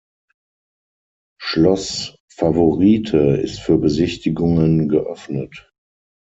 Schloss Favorite ist für Besichtigungen geöffnet.